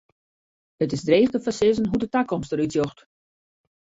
It is dreech te foarsizzen hoe't de takomst der út sjocht.